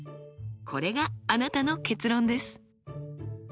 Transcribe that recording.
これがあなたの結論です。